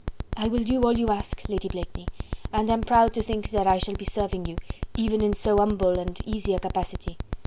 "I will do all you ask, Lady Blakeney, and am proud to think that I shall be serving you, even in so humble and easy a capacity.